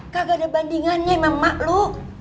kagak ada bandingannya sama emak lo